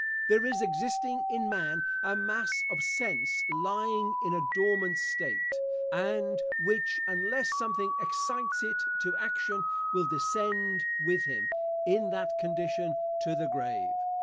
There is existing in man, a mass of sense lying in a dormant state, and which, unless something excites it to action, will descend with him, in that condition, to the grave.